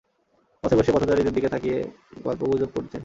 পথে বসে পথচারীদের দিকে তাকিয়ে গল্প গুজব করছে।